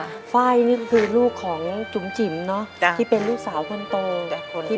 ๑๔ค่ะฟ้ายนี่คือลูกของจุ๋มจิ๋มเนอะที่เป็นลูกสาวคนโต